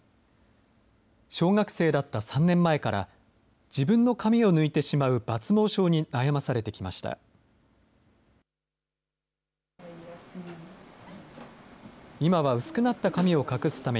小学生だった３年前から、自分の髪を抜いてしまう抜毛症に悩まされてきました。